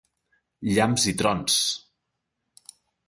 Llamps i trons!